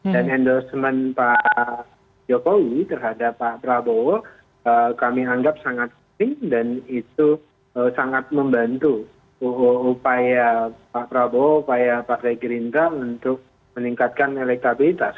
dan endorsement pak jokowi terhadap pak prabowo kami anggap sangat kering dan itu sangat membantu upaya pak prabowo upaya partai gerindra untuk meningkatkan elektabilitas